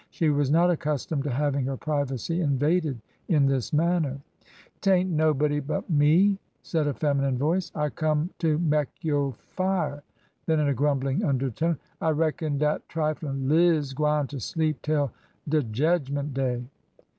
She was not accustomed to having her privacy invaded in this manner. 'T ain't nobody but me," said a feminine voice. I come to mek yo' fire." Then in a grumbling undertone, I reckon dat triflin' Liz gwineter sleep tell de jedgment day!"